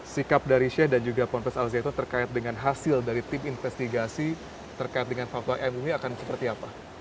sikap dari sheikh dan juga pond bas azayitun terkait dengan hasil dari tim investigasi terkait dengan faktual emni akan seperti apa